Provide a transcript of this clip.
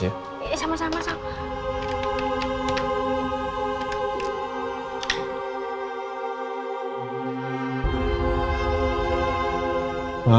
ini pindah ya mat